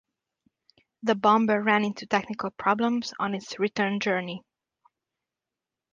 The bomber ran into technical problems on its return journey.